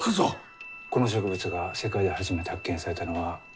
この植物が世界で初めて発見されたのはインド。